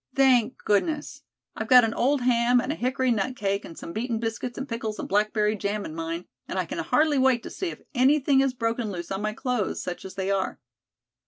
"Thank goodness. I've got an old ham and a hickory nut cake and some beaten biscuits and pickles and blackberry jam in mine, and I can hardly wait to see if anything has broken loose on my clothes, such as they are."